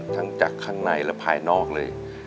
ทั้งจากข้างในและภายนอกเลย